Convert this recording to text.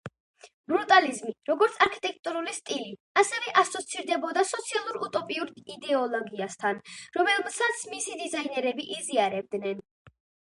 ბრუტალიზმი, როგორც არქიტექტურული სტილი, ასევე ასოცირდებოდა სოციალურ უტოპიურ იდეოლოგიასთან, რომელსაც მისი დიზაინერები იზიარებდნენ.